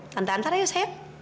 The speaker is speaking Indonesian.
tante antar yuk sayang